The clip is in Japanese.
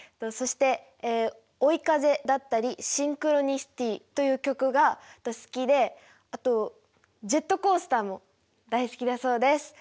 そして「追い風」だったり「シンクロニシティ」という曲が好きであとジェットコースターも大好きだそうです。